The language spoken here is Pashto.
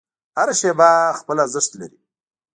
هره شیبه خپل ارزښت لري.